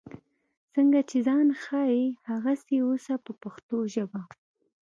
څنګه چې ځان ښیې هغسې اوسه په پښتو ژبه.